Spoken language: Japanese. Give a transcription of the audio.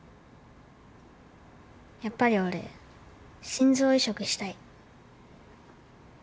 やっぱり俺心臓移植したい。